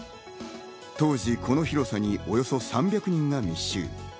当時この広さにおよそ３００人が密集。